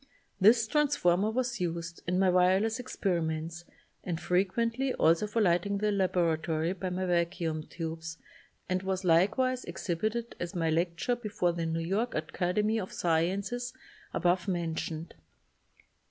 This transformer was used in my wireless experiments and frequently also for lighting the laboratory by my vac uum tubes and was likewise exhibited at my lecture before the New York Academy of Sciences above mentioned.